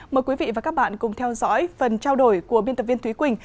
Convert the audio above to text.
mời quý vị và các bạn cùng theo dõi phần trao đổi của biên tập viên thúy quỳnh